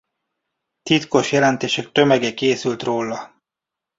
Titkos jelentések tömege készült róla.